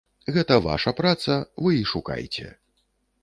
Гэта ваша праца, вы і шукайце!